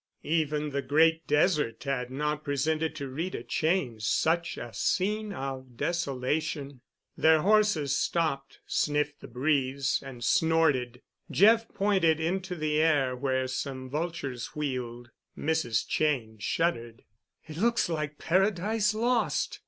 Even the Great Desert had not presented to Rita Cheyne such a scene of desolation. Their horses stopped, sniffed the breeze, and snorted. Jeff pointed into the air, where some vultures wheeled. Mrs. Cheyne shuddered. "It looks like Paradise Lost.